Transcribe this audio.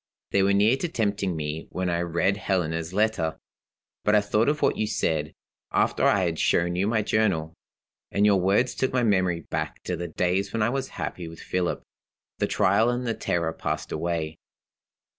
They were near to tempting me when I read Helena's letter. But I thought of what you said, after I had shown you my Journal; and your words took my memory back to the days when I was happy with Philip. The trial and the terror passed away.